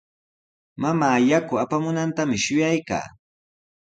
Mamaa yaku apamunantami shuyaykaa.